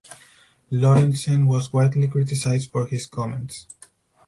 Lorentzen was widely criticized for his comments.